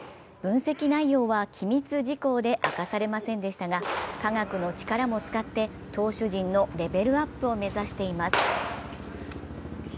分析内容は機密事項で明かされませんでしたが科学の力も使って投手陣のレベルアップを目指しています。